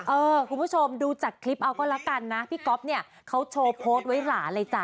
คุณผู้ชมดูจากคลิปเอาก็แล้วกันนะพี่ก๊อฟเนี่ยเขาโชว์โพสต์ไว้หลาเลยจ้ะ